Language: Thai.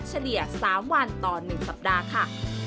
เฉลี่ย๓วันต่อ๑สัปดาห์ค่ะ